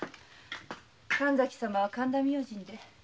神崎様は神田明神で。